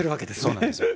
そうなんですよ。